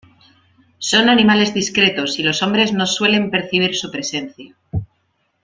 Son animales discretos, y los hombres no suelen percibir su presencia.